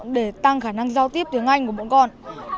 để tăng khả năng giao tiếp tiếng anh của bọn con